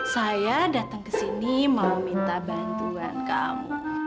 saya datang kesini mau minta bantuan kamu